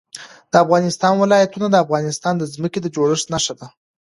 د افغانستان ولايتونه د افغانستان د ځمکې د جوړښت نښه ده.